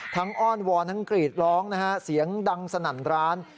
อ้อนวอนทั้งกรีดร้องนะฮะเสียงดังสนั่นร้าน